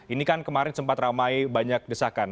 ini kan kemarin sempat ramai banyak desakan